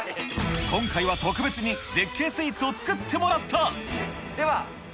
今回は特別に、絶景スイーツを作ってもらった。